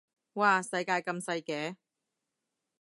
嘩世界咁細嘅